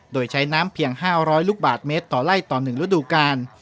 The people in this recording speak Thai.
โดยใช้น้ำเพียง๕๐๐ลูกบาทเมตรต่อไล่ต่อ๑ฤดูกาล